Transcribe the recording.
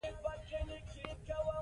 د کرمان قلعه ډېر محکم ساتل کېده.